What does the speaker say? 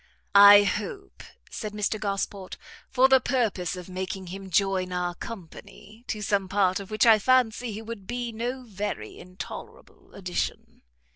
"I hope," said Mr Gosport, "for the purpose of making him join our company, to some part of which I fancy he would be no very intolerable addition."